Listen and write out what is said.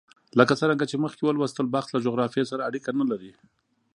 لکه څرنګه چې مخکې ولوستل، بخت له جغرافیې سره اړیکه نه لري.